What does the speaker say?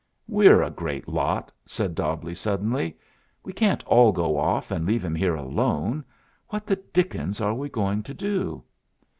"We're a great lot!" said Dobbleigh suddenly. "We can't all go off, and leave him here alone. What the dickens are we going to do?"